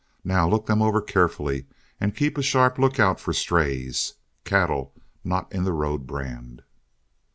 Now look them over carefully, and keep a sharp lookout for strays cattle not in the road brand."